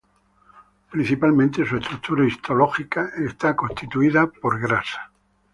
Principalmente su estructura histológica está constituida por grasa.